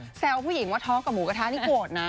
แซวผู้หญิงว่าท้องกับหมูกระทะนี่โกรธนะ